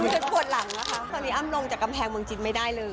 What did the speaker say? คือจะปวดหลังนะคะตอนนี้อ้ำลงจากกำแพงเมืองจีนไม่ได้เลย